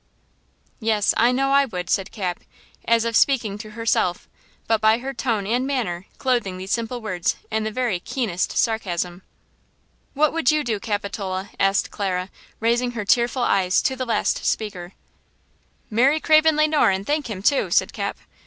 "Yes, I know I would!" said Cap, as if speaking to herself, but by her tone and manner clothing these simple words in the very keenest sarcasm. "What would you do, Capitola?" asked Clara, raising her tearful eyes to the last speaker. "Marry Mr. Craven Le Noir and thank him, too!" said Cap.